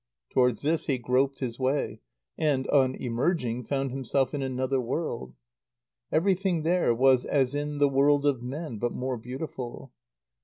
Towards this he groped his way, and, on emerging, found himself in another world. Everything there was as in the world of men, but more beautiful.